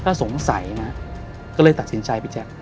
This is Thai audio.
ถ้าสงสัยนะก็เลยตัดสินใจไปแจ๊บ